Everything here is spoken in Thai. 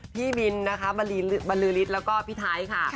พี่บินนะคะบรรลือฤทธิ์แล้วก็พี่ไทยค่ะ